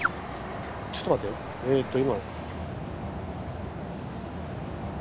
ちょっと待てよえと今。